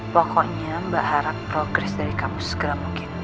pokoknya mbak harap progres dari kamu segera mungkin